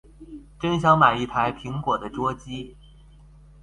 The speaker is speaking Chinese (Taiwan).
真想買一台蘋果的桌機